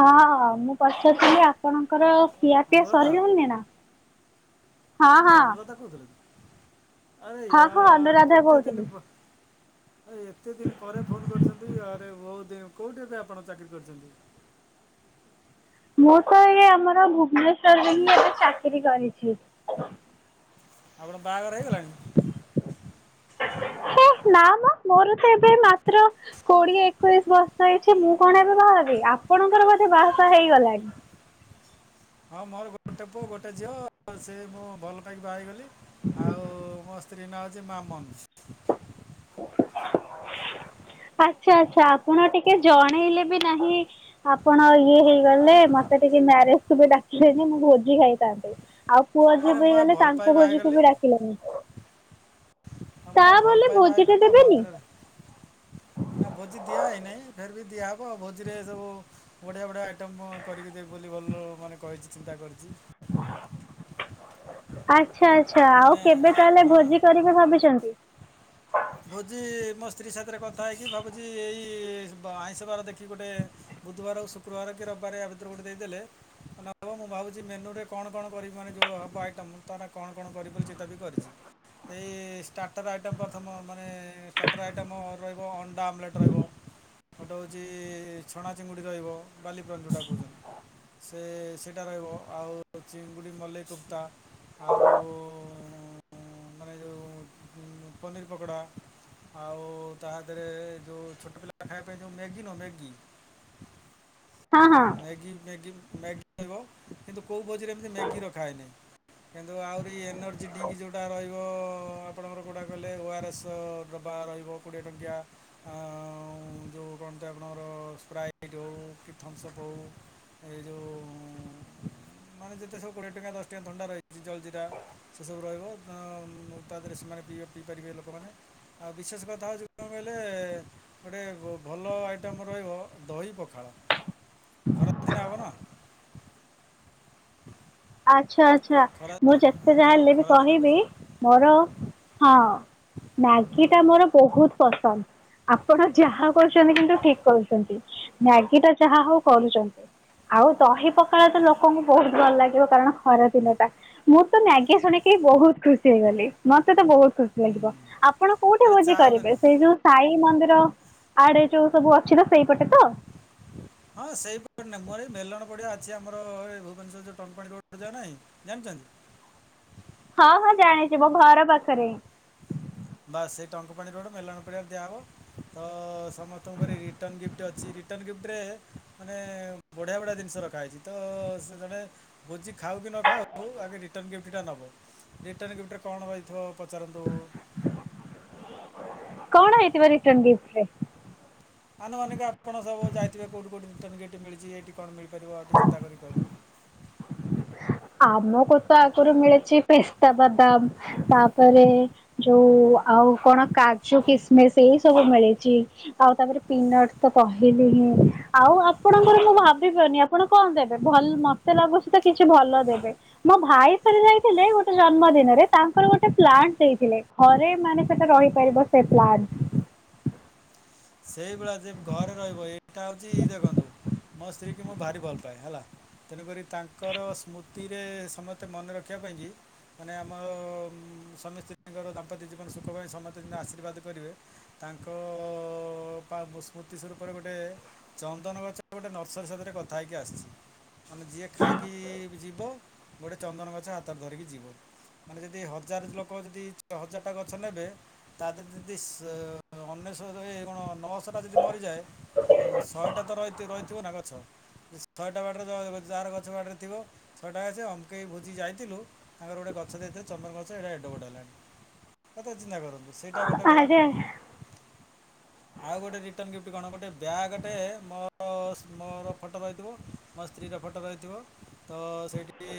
ହଁ ମୁଁ ପଚାରୁଥିଲି ଆ ଆପଣଙ୍କର ଖିଆପିଆ ଅନୁରାଧା ସରିଗଲାଣିନା? କିଏ ଅନୁରାଧା କହୁଥିଲକି ଆରେ ହଁ ହଁ ୟାର୍ ଅନୁରାଧା କେତେ କହୁଥିଲି। ଦିନ ପ ଏ ଏତେ ଦିନ ପରେ ଫୋନ୍ କରିଛନ୍ତି ଆରେ ବହୁତ ଦିନ କୋଉଠି ଏବେ ଆପଣ ଚାକିରି କରିଛନ୍ତି? ମୁଁ ତ ଏଇ ଆମର ଭୁବନେଶ୍ଵରରେ ହିଁ ଏବେ ଚାକିରି କରିଛି। ଆପଣ ବାହାଘର ହେଇଗଲାଣି? ହେ ନା ମ ମୋର ତ ଏବେ ମାତ୍ର କୋଡିଏ ଏକୋଇଶ ବର୍ଷ ହେଇଛି ମୁଁ କଣ ଏବେ ବାହା ହେବି ଆପଣଙ୍କର ବୋଧେ ବାହାସାହା ହେଇଗଲାଣି? ହଁ ମୋର ଗୋଟେ ପୁଅ ଗୋଟେ ଝିଅ ସେ ମୁଁ ଭଲ ପାଇକି ବାହାହେଇଗଲି ଆଉ ମୋ ସ୍ତ୍ରୀ ନାଁ ହୋଉଛି ମାମନ। ଆଚ୍ଛା ଆଚ୍ଛା ଆପଣ ଟିକେ ଜଣେଇଲେ ବି ନାହିଁ। ଆପଣ ଇଏ ହେଇଗଲେ ମତେ ଟିକେ ମ୍ୟାରେଜକୁୁ ବି ଡାକିଲେନି ମୁଁ ଭୋଜି ଖାଇଥାନ୍ତି। ଆଉ ପୁଅ ଯିଏ ଆରେ ବି ମୁଁ ହେଇ ଆଉ ଗଲେ ଭଲ ପାଇ ତାଙ୍କ ବାହା ଭୋଜିକୁ ବି ଡାକିଲେନି। ତା ଆମ ଭଲ ବୋଲି ପାଇ ବାହା ଭୋଜିଟେ ହେଇଗଲିତ ଦେବେନି ମନ୍ଦିରରେ। ନା ଭୋଜି ଦିଆ ହେଇନାଇଁ ଫେର ବି ଦିଆହବ ଆଉ ଭୋଜିରେ ସବୁ। ବଢିଆ ବଢିଆ ଆଇଟମ କରିକି ଦେବି ବୋଲି ଭଲ ମାନେ କହିଛି ଚିନ୍ତା କରିଚି। ଆଚ୍ଛା ଆଚ୍ଛା ମାନେ ଆଉ କେବେ ତାହଲେ ହଁ ଭୋଜି କରି ସେ ଭାବିଚନ୍ତି। ଭୋଜି ମୋ ସ୍ତ୍ରୀ ସାଥିରେ କଥା ହେଇକି ଭାବୁଚି ଏଇ ଆଇଁଷ ବାର ଦେଖି ଗୋଟେ ବୁଧବାର ଆଉ ଶୁକ୍ରବାର କି ରବିବାର ଆ ଭିତରେ ଗୋଟେ ଦେଇଦେଲେ ନା ବା ମୁଁ ଭାବୁଚି ମେନୁ ରେ କଣ କଣ କରିବି ମାନେ ଯୋଉ ହବ ଆଇଟମ୍ ତା କଣ କଣ କରିବ ବୋଲି ଚିନ୍ତା ବି କରିଚି। ଏଇ ଷ୍ଟାର୍ଟର ଆଇଟମ୍ ପ୍ରଥମ ମାନେ ଷ୍ଟାର୍ଟର ଆଇଟମ୍ ରହିବ ଅଣ୍ଡା ଆମଲେଟ୍ ରହିବ ଗୋଟେ ହୋଉଚି ଛଣା ଚିଙ୍ଗୁଡ଼ି ରହିବ ବାଲି ଫ୍ରାଏ କହୁଚନ୍ତି। ସେ ସେଇଟା ରହିବ ଆଉ ଚିଙ୍ଗୁଡ଼ି ମଲ୍ଲେଇ କୁପ୍ତା ଆଉ ଉଁ ମାନେ ଯୋଉ ପନିର୍ ପକୋଡ଼ା ଆଉ ତା ଦେହରେ ଯେଉଁ ଛୋଟ ପିଲା ଖାଇବା ପାଇଁ ଯେଉଁ ମ୍ୟାଗି ନୁହଁ ମ୍ୟାଗି ହଁ ହଁ। ମ୍ୟାଗି ମ୍ୟାଗି ମ୍ୟାଗି ଖାଇବ କିନ୍ତୁ କୋଉ ଭୋଜିରେ ଏମିତି ମ୍ୟାଗି ରଖା ହେଇନି। କିନ୍ତୁ ଆହୁରି ଏନର୍ଜି ଡ୍ରିଙ୍କ୍ ଯୋଉଟା ରହିବ ଆପଣଙ୍କର କୋଉଟା କହିଲେ ଓ ଆରସ୍। ଡବା ରହିବ କୋଡ଼ିଏ ଟଙ୍କିଆ। ଆ ଯୋଉ କଣନ୍ତ ଆପଣଙ୍କର ସ୍ପ୍ରାଇଟ୍ ହୋଉ କି ହଁ ସବୁ ଏଇ ଯୋଉ ମାନେ ଯେତେ ସବୁ କୋଡିଏ ଟଙ୍କା ଦଶ ଟଙ୍କା ଥଣ୍ଡା ରହିଛି ଜଲ୍ ଜିରା। ସେ ସବୁ ରହିବ ତା ଦେହରେ ସେମାନେ ପିଇ ପିଇପାରିବେ ଲୋକମାନେ। ଆଉ ବିଶେଷ କଥା ହଉଛି କଣ କହିଲେ? ଗୋଟେ ଭଲ ଆଇଟମ୍ ରହିବ ଦହି ପଖାଳ। ଖରା ଦିନେ ହବ ନା। ଆଚ୍ଛା ଆଚ୍ଛା ଖ- ଖରା ମୁଁ ଯେତେ ଯାହା ହଁ ହେଲେ ବି ଖରାଦିନେ କହିବି ବୁଝି ମୋର ହଁ। ମ୍ୟାଗି ଟା ମୋର ବହୁତ ପସନ୍ଦ। ଆପଣ ଯାହା କରୁଛନ୍ତି କିନ୍ତୁ ଠିକ୍ କରୁଛନ୍ତି ମ୍ୟାଗି ଟା ଯାହା ହଉ କରୁଛନ୍ତି। ଆଉ ଦହି ପଖାଳ ତ ଲୋକଙ୍କୁ ବହୁତ ଭଲ ଲାଗିବ। କାରଣ ହରାଦିନଟା ମୁଁ ତ ନାଗଆ ଶୁଣିକି ବହୁତ ଖୁସି ହେଇଗଲି ମତେ ତ ବହୁତ। ଖୁସି ହୁଁ ଲାଗିବ ଆପଣ କୋଉଠି ଆରେ ଭୋଜି ଚାଓମିନ କରିବେ ସେଇ ଯୋଉ ସାଇ ମନ୍ଦିର ଆଡେ ଯୋଉ ସବୁ ଅଛି ତ ସେଇପଟେ ତ। ହଁ ସେଇପରି ନାଁ ମୁଁର ଏଇ ମେଲଣ ପଡ଼ିିବ ଅଛି ଆମରଇ ଭୁବନେଶ୍ୱର ଯୋଉ ଟନପାଣି ଯୋ ନାହିଁ। ଜାଣିଛନ୍ତି। ହଁ ହଁ ଜାଣିଚି ମୋ ଘର ପାଖରେ। ବାସ୍ ସେଇ ଟଙ୍କ ପାଣି ରୋଡ଼ ମେଲଣ ଫେଲଣ ଦିଆହବ। ତ ସମସ୍ତଙ୍କର ରିଟର୍ଣ୍ଣ ଗିଫ୍ଟ ଅଛି ରିଟର୍ଣ୍ଣ ଗିଫ୍ଟରେ ମାନେ ବଢିଆ ବଢିଆ ଜିନିଷ ରଖା ହେଇଛି, ତ ସେ ଜଣେ ଭୋଜି ଖାଉ କି ନ ଖାଉ ଆଗେ ରିଟର୍ନ ଗିଫ୍ଟଟା ନବ ରିଟର୍ଣ୍ଣ ଗିଫ୍ଟରେ କଣ ହୋଇଥିବ। ପଚାରନ୍ତୁ। କଣ ହେଇଥିବ ରିଟର୍ନ ଗିଫ୍ଟ ରେ? ଆନୁମାନିକ ଆପଣ ସବୁ ଯାଇଥିବେ କୋଉଠି କୋଉଠି ରିଟର୍ନ ଗିଫ୍ଟ ମିଳିଛି ଏଇଠି କଣ ମିଳି ପାରିବ ଆକୁ ଚିନ୍ତା କରି କହିଲେ। ଆମକୁ ତ ଆଗରୁ ମିଳିଛି ପେସ୍ତା ବାଦାମ ତାପରେ ଯୋଉ ଆଉ କଣ କାଜୁ କିସମିସ ଏଇ ସବୁ ମିଳିଛି। ଆଉ ତାପରେ ପିନଟ ତ କହିଲି ହିଁ ଆଉ ଆପଣଙ୍କର ମୁଁ ଭାବିବନି। ଆପଣ କଣ ଦେବେ ଭଲ ମତେ ଲାଗୁଛି ତ କିଛି ଭଲ ଦେବେ। ମୋ ଭାଇ ଥରେ ଯାଇଥିଲେ ଗୋଟେ ଜନ୍ମ ଦିନରେ ତାଙ୍କର ଗୋଟେ ପ୍ଲାଣ୍ଟ ଦେଇଥିଲେ ଘରେ ମାନେ ସେଟା ରହିପାରିବ। ସେ ପ୍ଲାଟ। ସେଇଭଳିଆ ଯେ ଘରେ ରହିବ ଏଇଟା ହଉଛି ଦେଖନ୍ତୁ। ମୋ ସ୍ତ୍ରୀ କୁ ମୁଁ ଭାରି ଭଲ ପାଏ ହେଲା। ତେଣୁକରି ତାଙ୍କର ସ୍ମୃତିରେ ସମସ୍ତେ ମନେ ରଖିବା ପାଇଁ କି ମାନେ ଆମର ସ୍ବାମୀ ସ୍ତ୍ରୀ ଙ୍କର ଦାମ୍ପତ୍ୟ ଜୀବନ ସୁଖ ପାଇଁ ସମସ୍ତେ ଯେ ଆଶୀର୍ବାଦ କରିବେ। ତାଙ୍କ ସ୍ମୃତି ସ୍ୱରୂପ ରେ ଗୋଟେ ଚନ୍ଦନ ଗଛ ଗୋଟେ ନର୍ସରୀ ସାଙ୍ଗରେ କଥା ହେଇକି ଆସିଛି। ମାନେ ଯିଏ ଖାଇକି ଯିବ ଗୋଟେ ଚନ୍ଦନ ଗଛ ହାତରେ ଧରିକି ଯିବ। ମାନେ ଯେଦି ହଜାର ଲୋକ ଯେଦି ହଜାର ଟା ଗଛ ନେବେ ତା ଦେହେରେ ଯଦି ଅନେଶତ ଏ କଣ ନଅଶହଟା ଯଦି ମରିଯାଏ ଶହେଟା ତ ରହି ରହିଥିବ ନା ଗଛ। ଶହେଟା ବାଡରେ ଯାହାର ଗଛ ବାଡିରେ ଥିବ ଛଅଟା ସେ ଅମକେଇ ଭୋଜି ଯାଇଥିଲୁ ତାଙ୍କର ଗୋଟେ ଗଛ ଦେଇଥିଲେ ଚନ୍ଦନ ଗଛ ସେଇଟା ଏଡେ ବଡ ହେଲାଣି। କଥା ଚିନ୍ତା କରନ୍ତୁ ସେଇଟା ଗୋଟେ ଗଲା। ଆରେ ଆଉ ଗୋଟେ ରିଟର୍ଣ୍ଣ ଗିଫ୍ଟ କଣ ଗୋଟେ ବ୍ୟାଗ ଟେ ମୋ ଶ୍ରି ମୋର ଫଟୋ ରହିଥିବ। ମୋ ସ୍ତ୍ରୀର ଫଟୋ ରହିଥିବ ତ ସେଇଠି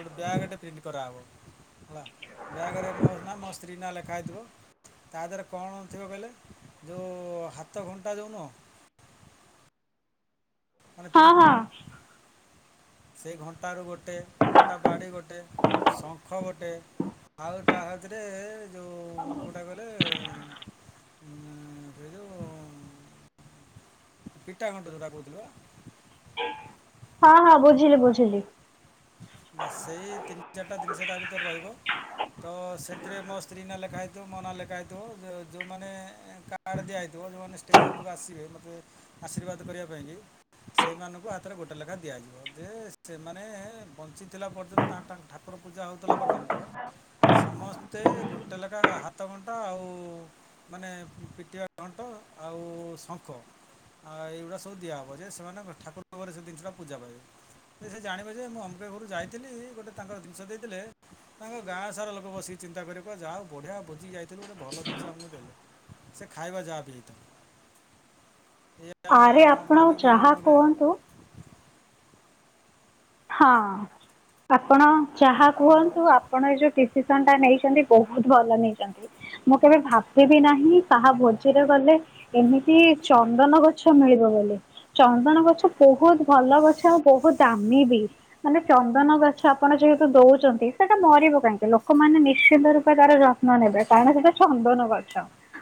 ଗୋଟେ ବ୍ୟାଗ ଟେ ପ୍ରିଣ୍ଟ କରାହବ। ହେଲା ବ୍ୟାଗରେ ମୋ ନା ମୋ ସ୍ତ୍ରୀ ନା ଲେଖା ହେଇଥିବ ତା ଦେହରେ କଣ ଥିବ କହିଲେ। ଯୋଉ ହାତ ଘଣ୍ଟା ଯୋଉ ନୁହଁ ମାନେ ହଁ ପିନ୍ ହଁ। ସେଇ ଘଣ୍ଟାରୁ ଗୋଟେ, ଘଣ୍ଟା ବାଡ଼ି ଗୋଟେ, ଶଙ୍ଖ ଗୋଟେ। ଆଉ ତା ଭିତରେ ଯୋଉ କୋଉଟା କହିଲେ [unintelligible] ସେ ଯୋଉ ପିଟା ଘଣ୍ଟା ଯୋଉଟା କହୁଥିଲ। ହଁ ହଁ ବୁଝିଲି ବୁଝିଲି। ବାସ୍ ସେଇ ତିନି ଚାରିଟା ଜିନିଷ ତା ଭିତରେ ରହିବ। ତ ସେଥିରେ ମୋ ସ୍ତ୍ରୀ ନା ଲେଖା ହେଇଥିବ ମୋ ନା ଲେଖା ହେଇଥିବ ଯୋଉମାନେ କାଡ୍ ଦିଆହେଇଥିବ ଯେଉଁମାନେ ଷ୍ଟେଜ୍ ଉପରକୁ ଆସିବେ ମୋତେ ଆଶୀର୍ବାଦ କରିବା ପାଇଁକି ସେଇମାନଙ୍କୁ ହାତରେ ଗୋଟେ ଲେଖାଁ ଦିଆଯିବ ଯେ ସେମାନେ ବଞ୍ଚିଥିଲା ପର୍ଯ୍ୟନ୍ତ ତା ତାଙ୍କ ଠାକୁର ପୂଜା ହଉଥିଲା ପର୍ଯ୍ୟନ୍ତ ସମସ୍ତେ ଗୋଟେ ଲେଖା ହାତଘଣ୍ଟା ଆଉ ମାନେ ପିଟିବା ଘଣ୍ଟ ଆଉ ଶଙ୍ଖ ଆଉ ଏଇଗୁଡ଼ା ସବୁ ଦିଆହବ ଯେ ସେମାନେ ଠାକୁର ଘରେ ସେ ଜିନଷଟା ପୂଜା ପାଇବେ। ଯେ ସେ ଜାଣିବ ଯେ ମୁଁ ଅମକେଇ ଘରୁ ଯାଇଥିଲି ଗୋଟେ ତାଙ୍କର ଜିନିଷ ଦେଇଥିଲେ। ତାଙ୍କ ଗାଁ ସାରା ଲୋକ ବସିକି ଚିନ୍ତା କରିବେ କଇବେ ଯାହା ହଉ ବଢ଼ିଆ ଭୋଜି ଯାଇଥିଲୁ ଗୋଟେ ଭଲ ଜିନିଷ ଆମକୁ ଦେଲେ। ସେ ଖାଇବା ଯାହା ବିି ହେଇଥାଉ ଏଇଆ ଆରେ ଆପଣ ଭାବିକି ଯାହା ବୋଧେ କୁହନ୍ତୁ ହଁ ଆପଣ ଯାହା କୁହନ୍ତୁ ଆପଣ ଏ ଯୋଉ ଡିସିସନ୍ ଟା ନେଇଛନ୍ତି ବହୁତ ଭଲ ନେଇଛନ୍ତି। ମୁଁ କେବେ ଭାବିବି ନାହିଁ କାହା ଭୋଜିରେ ଗଲେ ଏମିତି ଚନ୍ଦନ ଗଛ ମିଳିବ ବୋଲି। ଚନ୍ଦନ ଗଛ, ବହୁତ ଭଲ ଗଛ ଆଉ ବହୁତ ଦାମୀ ବି। ମାନେ ଚନ୍ଦନ ଗଛ ଆପଣ ଯେହେତୁ ଦଉଛନ୍ତି ସେଟା ମରିବ କାହିଁକି ଲୋକମାନେ ନିଶ୍ଚିନ୍ତ ରୂପେ ତାର ଯତ୍ ପତ୍ନ ନେବେ କାରଣ, ସେଇଟା ଚନ୍ଦନ ଗଛ।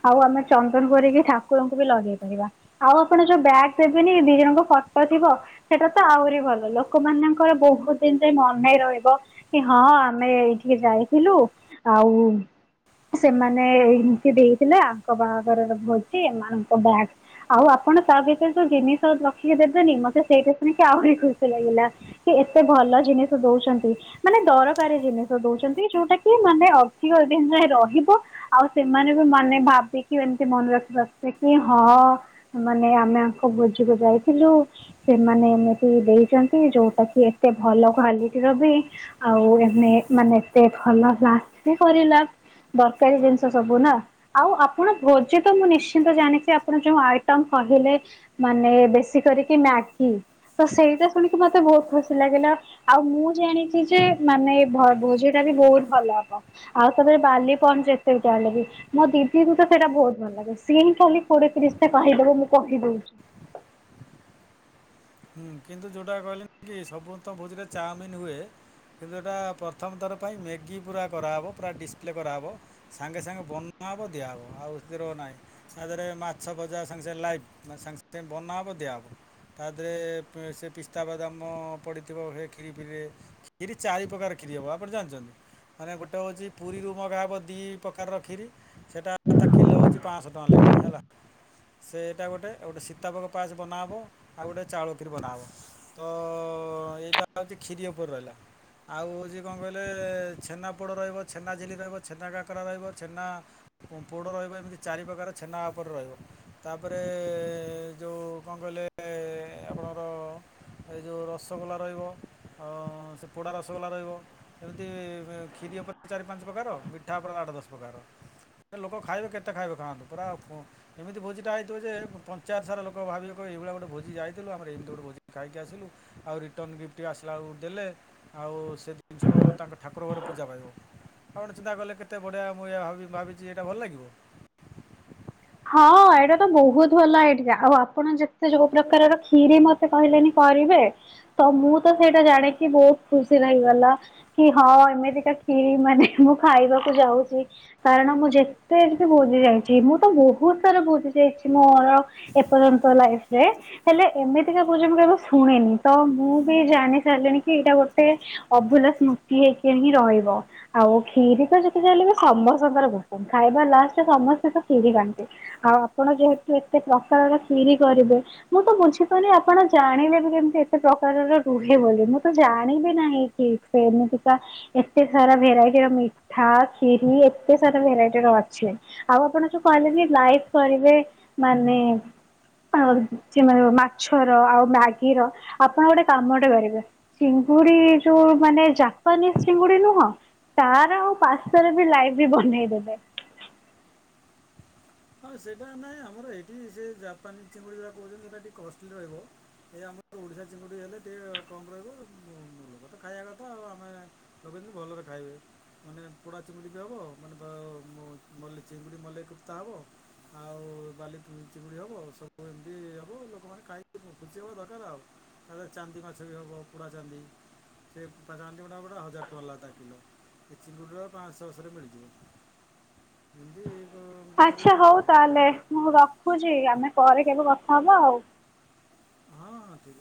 ଆଉ ଆମେ ଚନ୍ଦନ ଘୋରିକି ଠାକୁରଙ୍କୁ ବି ଲଗେଇ ପାରିବା। ଆଉ ଆପଣ ଯୋଉ ବ୍ୟାଗ୍ ଦେବେନି ଦି ଜଣଙ୍କ ଫଟୋ ଥିବ ସେଇଟା ତ ଆହୁରି ଭଲ। ଲୋକମାନେ ଙ୍କର ବହୁତ ଦିନ ଯାଏ ମନେରହିବ କି ହଁ ଆମେ ଏଇଠିକି ଯାଇଥିଲୁ। ଆଉ ସେମାନେ ଏହି ଗିଫ୍ଟ୍ ଦେଇଥିଲେ ଆଙ୍କ ବାହାଘର ଭୋଜି ଏମାନଙ୍କ ବ୍ୟାଗ୍ ଆଉ ଆପଣ ତା ଭିତରେ ଯୋଉ ଜିନିଷ ରଖିକି ଦେବେନି ମତେ ସେଇଟା ଶୁଣିକି ଆହୁରି ଖୁସି ଲାଗିଲା। କି ଏତେ ଭଲ ଜିନିଷ ଦଉଛନ୍ତି। ମାନେ ଦରକାରୀ ଜିନିଷ ଦଉଛନ୍ତି ଯୋଉଟା କି ମାନେ ଅଧିକ ଦିନ୍ ଯାଏ ରହିବ। ଆଉ ସେମାନେ ବି ମାନେ ଭାବିକି ଏମତି ମନେ ରଖିିପରୁଥିବେ କି ହଁ ମାନେ ଆମେ ଆଙ୍କ ଭୋଜିକୁ ଯାଇଥିଲୁ ସେମାନେ ଏମିତି ଦେଇଛନ୍ତି ଯୋଉଟା କି, ଏତେ ଭଲ କ୍ୱାଲିଟି ର ବି ଆଉ ଏମେ ମାନେ ଏତେ ଭଲ କ୍ଲାସ ବି କରିଲା। ଦରକାରୀ ଜିନିଷ ସବୁ ନା। ଆଉ ଆପଣ ଭୋଜି ତ ମୁଁ ନିଶ୍ଚିନ୍ତ ଜାଣିଛି ଆପଣ ଯୋଉ ଆଇଟମ କହିଲେ ମାନେ ବେଶୀ କରିକି ମ୍ୟାଗି ତ ସେଇଟା ଶୁଣିକି ମତେ ବହୁତ୍ ଖୁସି। ଖୁସି ଲାଗିଲା। ଆଉ ମୁଁ ଜାଣିଛି ଯେ ମାନେ ଭୋଜି ଟା ବି ବହୁତ ଭଲ ହବ। ଆଉ ତାପରେ ବାଲିପନ୍ ଯେତେ ଯାହେଲେ ବି। ମୋ ଦିଦିକୁ ତ ସେଇଟା ବହୁତ ଭଲ ଲାଗେ। ସିଏ ହିଁ ଖାଲି କୋଡିଏ ତିରିଶ୍ ଟା କହିଦେବ ମୁଁ କହିଦଉଛି। ହୁଁ କିନ୍ତୁ ଯେଉଁଟା କହିଲେ କି ସବୁ ତ ଭୋଜିରେ ଚାଓମିିନ ହୁଏ। କିନ୍ତୁ ଏଇଟା ପ୍ରଥମ ଥର ପାଇଁ ମ୍ୟାଗି ପୁରା କରାହେବ ପୁରା ଡିସପ୍ଲେ କରାହେବ। ସାଙ୍ଗେ ସାଙ୍ଗେ ବନା ହବ ଦିଆହବ ଆଉଥିର ନାହିଁ। ତା ଦେହରେ ମାଛ ଭଜା ସାଙ୍ଗେସଙ୍ଗେ ଲାଇଭ୍ ସାଙ୍ଗେ ସାଙ୍ଗେ ବନା ହବ ଦିଆ ହବ। ତେ ସେ ପିସ୍ତା ବାଦାମ ପଡ଼ିଥିବ ହେ କ୍ଷୀରି ଫିରିରେ। ଇରେ ଚାରି ପ୍ରକାର କ୍ଷୀରି ହବ ଆପଣ ଜାଣିଛନ୍ତି? ଆରେ ଗୋଟେ ହେଉଛି ପୁରୀରୁ ମଗା ହେବ ଦୁଇ ପ୍ରକାର ର କ୍ଷୀରି। ସେଇଟା ତା କିଲୋ ହୋଉଛି ପାଞ୍ଚଶହ ଟଙ୍କା ଲେଖେ ହେଲା। ସେ ଏଇଟା ଗୋଟେ ଗୋଟେ ସୀତାବଗ୍ ପାସ୍ ବନାହେବ। ଆଉ ଗୋଟେ ଚାଉଳ କ୍ଷୀରି ବନାହେବ। ତ ଅ ଅ ଏଇଟା ହେଉଛି କ୍ଷିରି ଉପରେ ରହିଲା। ଆଉ ହଉଛି କଣ କହିଲେ ଛେନାପଡ଼ ରହିବ, ଛେନା ଝିଲ୍ଲି ରହିବ, ଛେନା କାକରା ରହିବ, ଛେନା ପୋଡ ରହିବ ଏମିତି ଚାରିପ୍ରକାର ଛେନା ଉପରେ ରହିବ। ତାପରେ ଯଉଁ କଣ କହିଲେ ଆପଣଙ୍କର ଏ ଯେଉଁ ରସଗୋଲା ରହିବ, ଆଉ ସେ ପୋଡ଼ା ରସଗୋଲା ରହିବ, ଏମିତି ଖିରି ଉପରେ ଚାରି ପାଞ୍ଚ ପ୍ରକାର ମିଠା ଉପରେ ଆଠ ଦଶ ପ୍ରକାର। ଗୋଟେ ଲୋକ ଖାଇବେ କେତେ ଖାଇବେ ଖାଆନ୍ତୁ। ପୁରା ପୁ ଏମିତି ଭୋଜିଟା ହେଇଥିବ ଯେ, ପଞ୍ଚାୟତ ସାରା ଲୋକ ଭାବିବେ ଏଇଭଳିଆ ଗୋଟେ ଭୋଜି ଯାଇଥିଲୁ ଆମର ଏମିତି ଗୋଟେ ଭୋଜି ଖାଇକି ଆସିଲୁ। ଆଉ ରିଟର୍ନ ଗିଫ୍ଟ ଆସିଲା ବେଳକୁ ଦେଲେ। ଆଉ ସେ ଜିନିଷ ତାଙ୍କ ଠାକୁର ଘର ପୂଜା ପାଇବ। ଆପଣ ଚିନ୍ତା କଲେ କେତେ ବଢିଆ ମୁଁ ଭାବିଛି ଏଇଟା ଭଲ ଲାଗିବ। ହଁ ଏଇଟା ତ ବହୁତ ଭଲ ଆଇଡିଆ ଆଉ ଆପଣ ଯେତେ ଯୋଉ ପ୍ରକାରର କ୍ଷୀରି ମ କହିଲେନି କରିବେ ତ ମୁଁ ତ ସେଇଟା ଜାଣିକି ବହୁତ ଖୁସି ଲାଗି ଗଲା। କି ହଁ ଏମିତିକା କ୍ଷୀରି ମାନେ ମୁଁ ଖାଇବାକୁ ଯାଉଛି କାରଣ ମୁଁ ଯେ ତ ଏମିତି ଭୋଜି ଯାଉଛି ମୁଁ ତ ବହୁତ ସାରା ଭୋଜି ଯାଇଛି ମୋର ଏପର୍ଯ୍ୟନ୍ତ ଲାଇଫରେ। ହେଲେ ଏମିତିକା ଭୋଜି ମୁଁ କେବେ ଶୁଣିନି ତ ମୁଁ ବି ଜାଣି ସାରିଲିଣି କି ଏଇଟା ଗୋଟେ ଅଭୁଲା ସ୍ମୃତି ହେଇକି ହିଁ ରହିବ। ଆଉ କ୍ଷୀରି ତ ଯେତେ ଯା ହେଲେ ବି ସମସ୍ତଙ୍କର ପସନ୍ଦ ଖାଇବା ଲାଷ୍ଟରେ ସମସ୍ତେ ତ କ୍ଷୀରି ଖାନ୍ତି। ଆଉ ଆପଣ ଯେହେତୁ ଏତେ ପ୍ରକାରର କ୍ଷିରି କରିବେ। ମୁଁ ତ ବୁଝିଗଲି ଆପଣ ଜାଣିଲେ ବି କେମିତି ଏତେ ପ୍ରକାରର ରୁହେ ବୋଲି ମୁଁ ତ ଜାଣିବି ନାହିଁ କି। ସେମିତି କା। ଏତେ ସାରା ଭେରାଇଟିର ମିଠା କ୍ଷୀରି ଏତେ ସାରା ଭେରାଇଟି ର ଅଛି। ଆଉ ଆପଣ ଯୋଉ କହିଲେନି ଲାଇଫ କରିବେ ମାନେ ଆବେ ହେଛି ମାଛର ଆଉ ମ୍ୟାଗିର ଆପଣ ଗୋଟେ କାମଟେ କରିବେ। ଚିଙ୍ଗୁଡି ଯୋଉ ମାନେ ଜାପାନି ଚିଙ୍ଗୁଡି ନୁହଁ। ତାର ଆଉ ପାସ୍ତାରେ ବି ଲାଇ ବି ବନେଇଦେମି। ହଁ ସେଇଟା ନାହିଁ ଆମର ଏଇଠି ସେ ଜାପାନିଜ ଚିଙ୍ଗୁଡ଼ି କହୁଛନ୍ତି ସେଇଟା ଟିକେ କଷ୍ଟଲି ରହିବ। ଏଇ ଆମର ଓଡିଆ ଚିଙ୍ଗୁଡି ହେଲେ ଟିକେ କମ ରହିବ ଲୋକ ତ ଖାଇବା କଥା ଆଉ ଆମେ ଲୋକ ବି ଭଲରେ ଖାଇବେ। ମାନେ ପୋଡ଼ା ଚିଙ୍ଗୁଡ଼ି ଟେ ହେବ ମାନେ ବୋଲି ଚିଙ୍ଗୁଡ଼ି ମଲ୍ଲେଇ କୁପ୍ତା ହବ। ଆଉ ବାଲି ଚିଙ୍ଗୁଡ଼ି ହବ ସବୁ ଏମିତି ହବ ଲୋକମାନେ ଖାଇକି ଖୋସି ହବା ଦରକାର ଆଉ। ତାରେ ଚାନ୍ଦି ମାଛ ବି ହବ ପୋଡ଼ା ଚାନ୍ଦି ସେ ତା ଗାଣ୍ଡ ମୁଠା ହଜାର ଟଙ୍କା ଲାଗା ତା କିଲୋ। ଏ ଚିଙ୍ଗୁଡି ରା ପାଞ୍ଚଛଅଶ୍ ରେ ମିଳିଯିବ ଏମିତି କ- କରି ଆଚ୍ଛା ହଉ କରିବୁ ଆଉ ତାହେଲେ ମୁଁ ରଖୁଛି ଆମେ ପରେ କେବେ କଥା ହବା ଆଉ। ହଁ ହଁ।